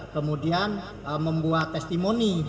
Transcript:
kemudian membuat testimoni